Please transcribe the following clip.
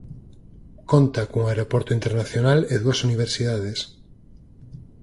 Conta cun aeroporto internacional e dúas universidades.